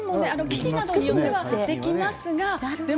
生地によってはできますが。